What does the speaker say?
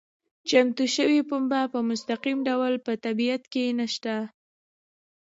چمتو شوې پنبه په مستقیم ډول په طبیعت کې نشته.